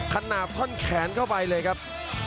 ขนาดท่อนแขนเข้าไปเลยครับ